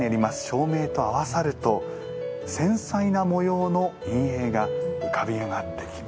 照明と合わさると繊細な模様の陰影が浮かび上がってきます。